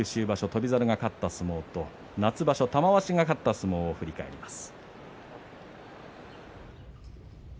翔猿が勝った相撲と夏場所、玉鷲が勝った相撲を振り返ります。